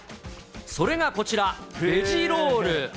それがこちら、ベジロール。